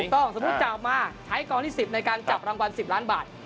สมมุติจะเอามาใช้กองที่๑๐ในการจับรางวัล๑๐ล้านบาท